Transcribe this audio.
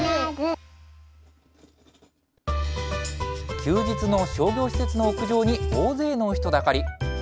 休日の商業施設の屋上に、大勢の人だかり。